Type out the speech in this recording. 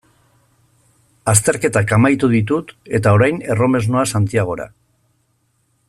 Azterketak amaitu ditut eta orain erromes noa Santiagora.